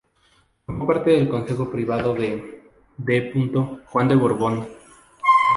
Formó parte del Consejo Privado de D. Juan de Borbón.